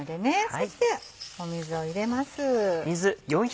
そして水を入れます。